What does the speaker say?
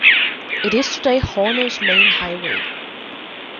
It is today Hornell's main highway.